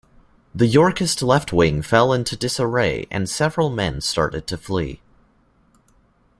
The Yorkist left wing fell into disarray and several men started to flee.